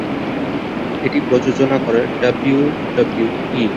এটি প্রযোজনা করে ডাব্লিউডাব্লিউই।